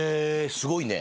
すごいね。